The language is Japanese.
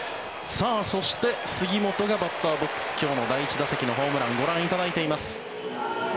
そして杉本がバッターボックス今日の第１打席のホームランご覧いただいています。